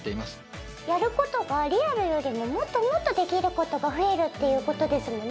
やる事がリアルよりももっともっとできる事が増えるっていう事ですよね。